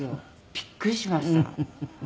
びっくりしました。